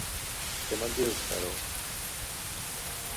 Què me'n dius, Harold?